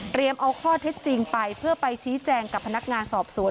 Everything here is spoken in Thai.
เอาข้อเท็จจริงไปเพื่อไปชี้แจงกับพนักงานสอบสวน